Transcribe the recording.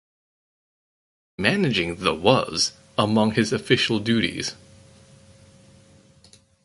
Managing the was among his official duties.